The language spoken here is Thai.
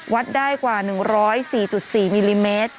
วัดได้กว่า๑๐๔๔มิลลิเมตร